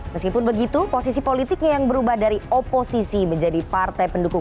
meskipun begitu posisi politiknya yang berubah dari oposisi menjadi partai pendukung